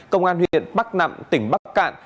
công an huyện bắc nẵm tỉnh bắc cạn